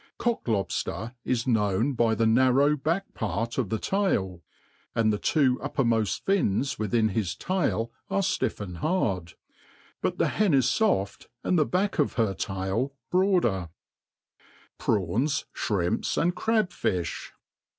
Cock lobfter is known by the narrow back part of the tail, and the two u{fpermoft fins within his tail are ftifF and hard \ but the hen is foft, and the back of her tail broader^ Prawns f Shrimps^ and Crabjijh.